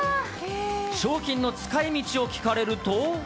賞金の使いみちを聞かれると。